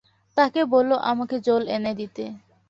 তাকে বলো আমাকে জল এনে দিতে।